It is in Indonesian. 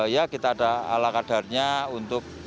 ya kita ada ala kadarnya untuk